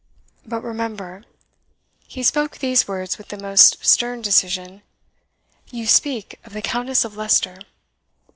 But remember" he spoke these words with the most stern decision "you speak of the Countess of Leicester."